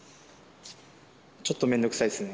ちょっと面倒くさいですね。